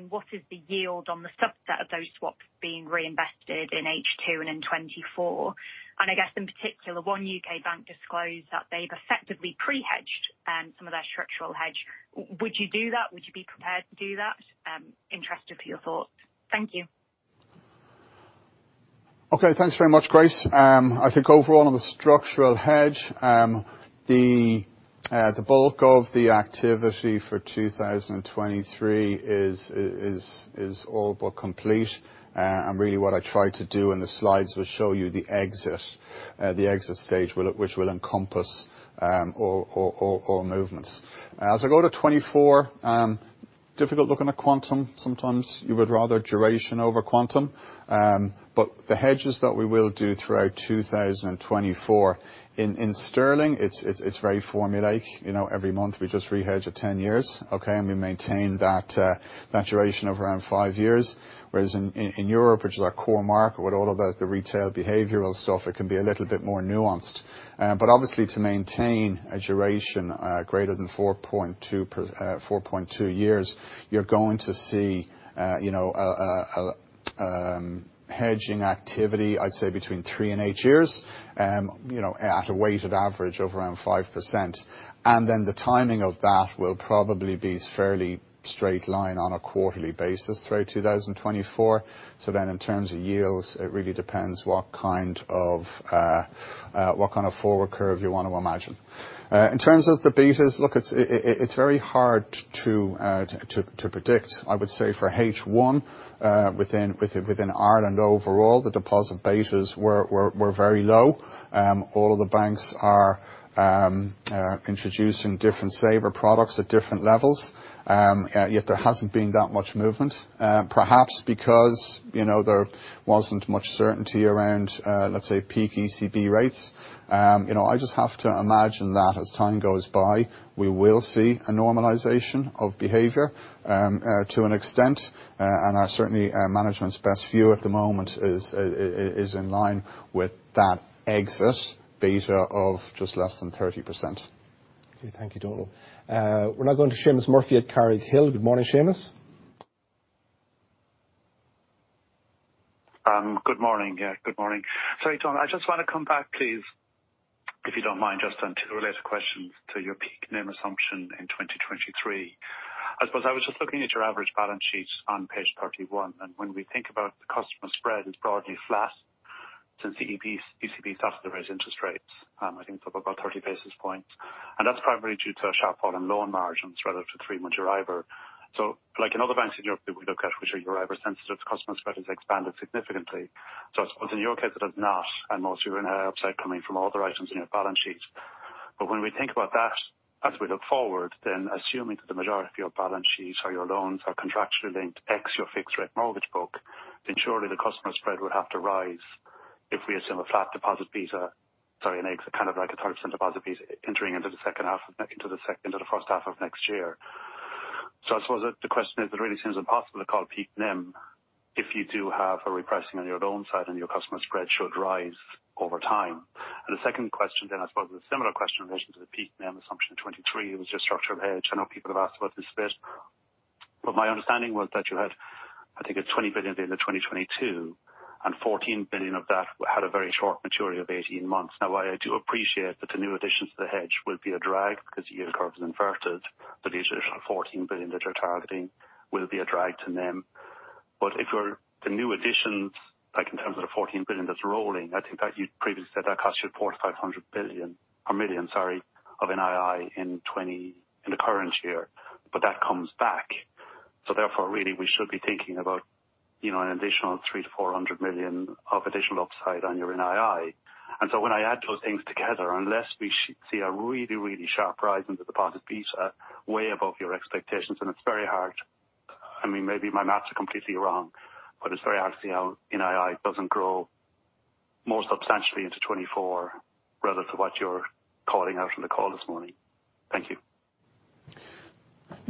What is the yield on the subset of those swaps being reinvested in H2 and in 2024? I guess in particular, one UK bank disclosed that they've effectively pre-hedged some of their structural hedge. Would you do that? Would you be prepared to do that? Interested for your thoughts. Thank you. Okay, thanks very much, Grace. I think overall, on the structural hedge, the bulk of the activity for 2023 is all but complete. Really, what I tried to do in the slides was show you the exit, the exit stage, which will encompass all movements. As I go to 2024, difficult looking at quantum, sometimes you would rather duration over quantum. The hedges that we will do throughout 2024, in sterling, it's very formulaic. You know, every month we just re-hedge at 10 years, okay? We maintain that duration of around 5 years, whereas in Europe, which is our core market, with all of the retail behavioral stuff, it can be a little bit more nuanced. Obviously, to maintain a duration, greater than 4.2, 4.2 years, you're going to see, you know, hedging activity, I'd say, between 3 and 8 years, you know, at a weighted average of around 5%. The timing of that will probably be fairly straight line on a quarterly basis through 2024. In terms of yields, it really depends what kind of, what kind of forward curve you want to imagine. In terms of the betas, look, it's very hard to predict. I would say for H1, within Ireland overall, the deposit betas were very low. All of the banks are introducing different saver products at different levels, yet there hasn't been that much movement, perhaps because, you know, there wasn't much certainty around, let's say, peak ECB rates. You know, I just have to imagine that as time goes by, we will see a normalization of behavior, to an extent, and certainly, management's best view at the moment is, is, is in line with that exit beta of just less than 30%. Okay, thank you, Donal. We're now going to Seamus Murphy at Carraighill. Good morning, Seamus. Good morning. Yeah, good morning. Sorry, Don, I just want to come back, please, if you don't mind, just on to related questions to your peak NIM assumption in 2023. I suppose I was just looking at your average balance sheets on page 31, and when we think about the customer spread, it's broadly flat since ECB started to raise interest rates. I think it's up about 30 basis points, and that's primarily due to a sharp fall in loan margins relative to 3-month Euribor. Like in other banks in Europe that we look at, which are Euribor-sensitive, customer spread has expanded significantly. I suppose in your case, it has not, and most of you are in upside coming from other items in your balance sheets. When we think about that, as we look forward, then assuming that the majority of your balance sheets or your loans are contractually linked, ex your fixed rate mortgage book, then surely the customer spread would have to rise if we assume a flat deposit beta, sorry, kind of like a 30% deposit beta entering into the second half of, into the first half of next year. I suppose the, the question is, it really seems impossible to call peak NIM if you do have a repricing on your loan side, and your customer spread should rise over time. The second question then, I suppose, a similar question in relation to the peak NIM assumption in 2023, it was just structural hedge. I know people have asked about this bit, my understanding was that you had, I think, 20 billion at the end of 2022, and 14 billion of that had a very short maturity of 18 months. I do appreciate that the new additions to the hedge will be a drag because the yield curve is inverted, but these additional 14 billion that you're targeting will be a drag to NIM. If your, the new additions, like in terms of the 14 billion that's rolling, I think that you previously said that costs you 400 million-500 million of NII in 2023, but that comes back. Therefore, really, we should be thinking about, you know, an additional 300 million-400 million of additional upside on your NII. So when I add those things together, unless we see a really, really sharp rise in the deposit beta way above your expectations, and it's very hard. I mean, maybe my math are completely wrong, but it's very hard to see how NII doesn't grow more substantially into 2024 rather than what you're calling out on the call this morning. Thank you.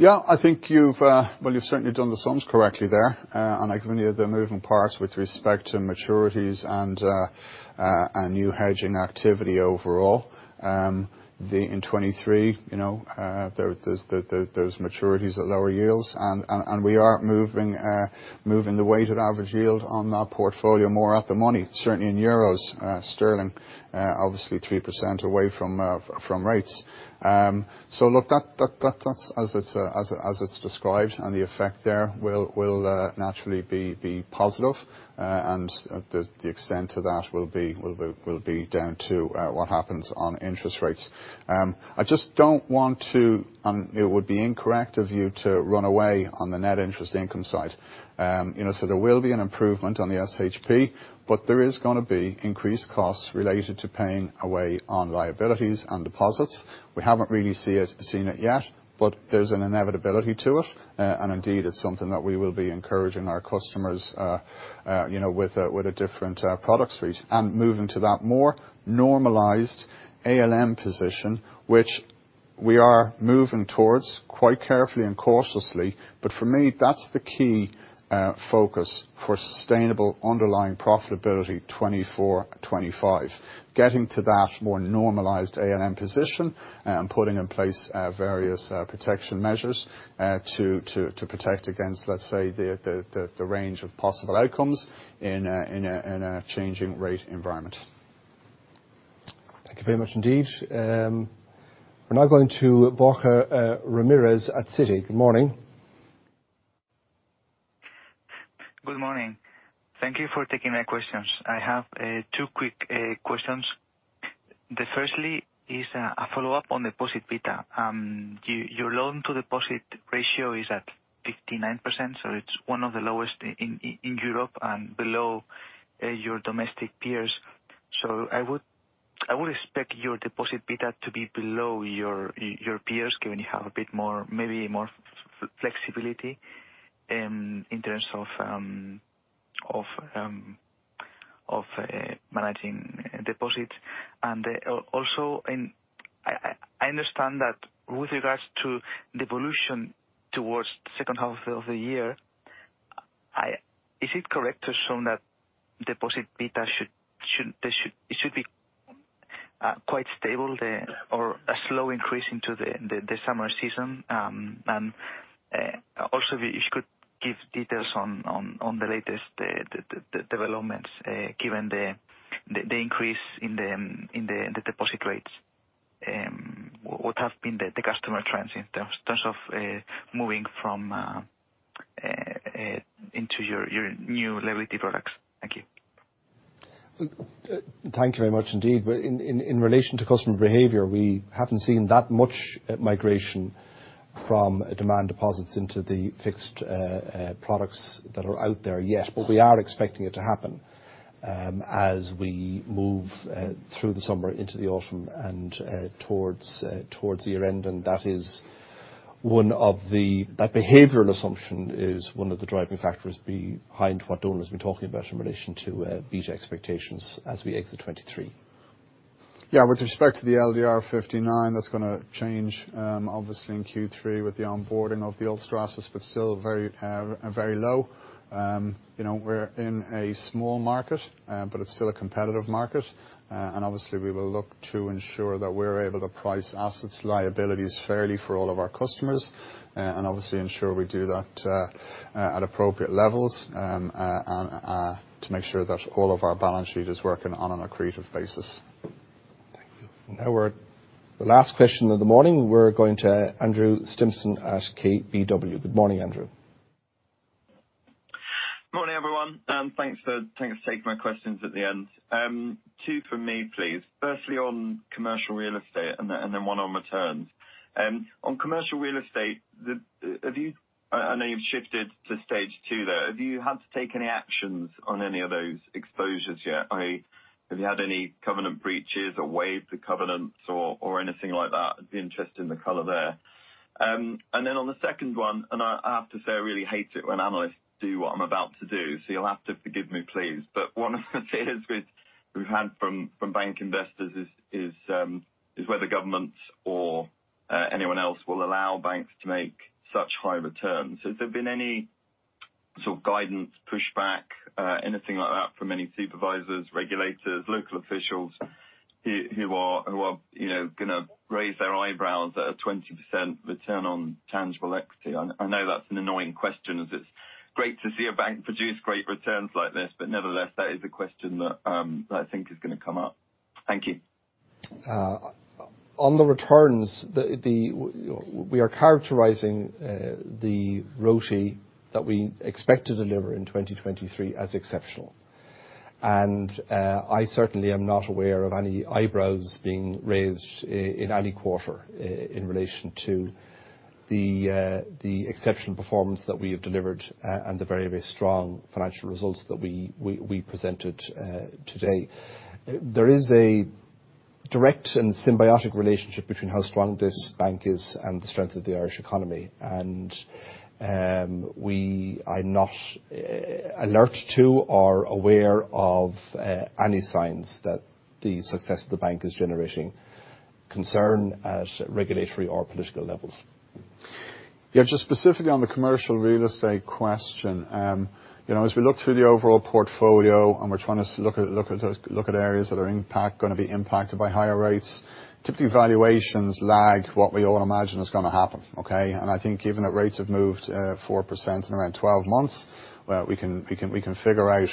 Yeah, I think you've, well, you've certainly done the sums correctly there, I give you the moving parts with respect to maturities and new hedging activity overall. In 2023, you know, there, there's, the, the, those maturities at lower yields, we are moving, moving the weighted average yield on that portfolio more at the money, certainly in euros, sterling, obviously 3% away from rates. Look, that, that, that, that's as it's, as, as it's described, the effect there will, will, naturally be, be positive, the, the extent of that will be, will be, will be down to what happens on interest rates. I just don't want to, it would be incorrect of you to run away on the net interest income side. You know, there will be an improvement on the SHP, but there is going to be increased costs related to paying away on liabilities and deposits. We haven't really see it, seen it yet, but there's an inevitability to it. Indeed, it's something that we will be encouraging our customers, you know, with a, with a different, product suite and moving to that more normalized ALM position, which we are moving towards quite carefully and cautiously. For me, that's the key focus for sustainable underlying profitability, 2024, 2025, getting to that more normalized ALM position and putting in place, various, protection measures, to, to, to protect against, let's say, the, the, the range of possible outcomes in a, in a, in a changing rate environment. Thank you very much indeed. We're now going to Borja Ramirez at Citi. Good morning. Good morning. Thank you for taking my questions. I have two quick questions. The firstly is a follow-up on deposit beta. Your loan-to-deposit ratio is at 59%, so it's one of the lowest in Europe and below your domestic peers. I would, I would expect your deposit beta to be below your peers, given you have a bit more, maybe more flexibility, in terms of managing deposits. Also, and I understand that with regards to the evolution towards the second half of the year. Is it correct to assume that deposit beta should, should, they should- it should be quite stable there or a slow increase into the summer season, and-... Also if you could give details on the latest developments, given the increase in the deposit rates. What have been the customer trends in terms of moving from into your new liability products? Thank you. Thank you very much indeed. Well, in relation to customer behavior, we haven't seen that much migration from demand deposits into the fixed products that are out there yet. We are expecting it to happen as we move through the summer into the autumn and towards the year end. That behavioral assumption is one of the driving factors behind what Donal has been talking about in relation to beat expectations as we exit 2023. Yeah, with respect to the LDR 59, that's gonna change, obviously, in Q3 with the onboarding of the old Ulster Bank, but still very, very low. You know, we're in a small market, but it's still a competitive market. Obviously, we will look to ensure that we're able to price assets, liabilities fairly for all of our customers, and obviously ensure we do that, at appropriate levels. To make sure that all of our balance sheet is working on an accretive basis. Thank you. We're at the last question of the morning. We're going to Andrew Stimpson at KBW. Good morning, Andrew. Morning, everyone, thanks for taking my questions at the end. 2 for me, please. Firstly, on commercial real estate and then 1 on returns. On commercial real estate, have you, I know you've shifted to stage 2 there. Have you had to take any actions on any of those exposures yet? i.e., have you had any covenant breaches or waived the covenants or anything like that? I'd be interested in the color there. Then on the second 1, I, I have to say, I really hate it when analysts do what I'm about to do, so you'll have to forgive me, please. One of the things we've had from, from bank investors is whether governments or anyone else will allow banks to make such high returns. Has there been any sort of guidance, pushback, anything like that from any supervisors, regulators, local officials, who, who are, who are, you know, gonna raise their eyebrows at a 20% return on tangible equity? I, I know that's an annoying question, as it's great to see a bank produce great returns like this, but nevertheless, that is a question that I think is gonna come up. Thank you. On the returns, the, the, we are characterizing, the ROTE that we expect to deliver in 2023 as exceptional. I certainly am not aware of any eyebrows being raised in any quarter, in relation to the, the exceptional performance that we have delivered, and the very, very strong financial results that we, we, we presented, today. There is a direct and symbiotic relationship between how strong this bank is and the strength of the Irish economy, and, we are not, alert to or aware of, any signs that the success of the bank is generating concern at regulatory or political levels. Yeah, just specifically on the commercial real estate question, you know, as we look through the overall portfolio, and we're trying to look at areas that are gonna be impacted by higher rates, typically, valuations lag what we all imagine is gonna happen, okay? I think given that rates have moved 4% in around 12 months, well, we can, we can, we can figure out,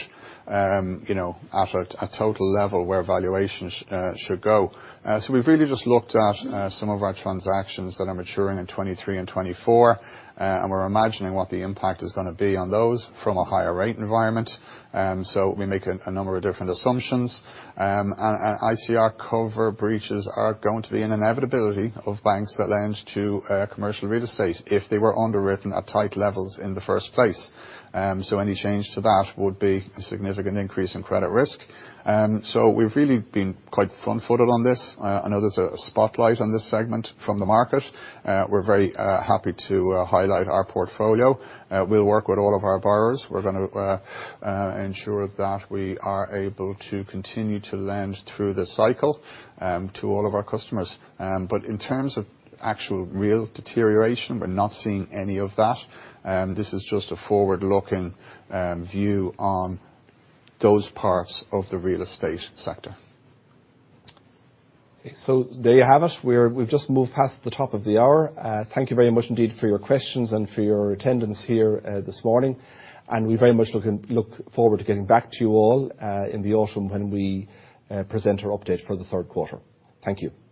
you know, at a total level where valuations should go. We've really just looked at some of our transactions that are maturing in 2023 and 2024, and we're imagining what the impact is gonna be on those from a higher rate environment. We make a number of different assumptions. ICR cover breaches are going to be an inevitability of banks that lend to commercial real estate if they were underwritten at tight levels in the first place. Any change to that would be a significant increase in credit risk. We've really been quite front-footed on this. I know there's a spotlight on this segment from the market. We're very happy to highlight our portfolio. We'll work with all of our borrowers. We're gonna ensure that we are able to continue to lend through the cycle to all of our customers. In terms of actual real deterioration, we're not seeing any of that. This is just a forward-looking view on those parts of the real estate sector. There you have it. We've just moved past the top of the hour. Thank you very much indeed for your questions and for your attendance here this morning, and we very much look forward to getting back to you all in the autumn, when we present our update for the third quarter. Thank you.